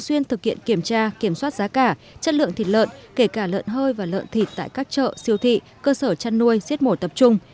xuyên thực hiện kiểm tra kiểm soát giá cả chất lượng thịt lợn kể cả lợn hơi và lợn thịt tại các chợ siêu thị cơ sở chăn nuôi siết mổ tập trung